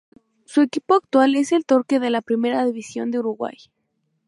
Su equipo actual es el Torque de la Primera División de Uruguay.